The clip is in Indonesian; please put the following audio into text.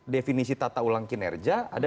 definisi tata ulang kinerja ada